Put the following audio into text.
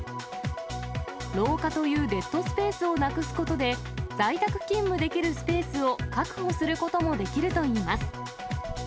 廊下というデッドスペースをなくすことで、在宅勤務できるスペースを確保することもできるといいます。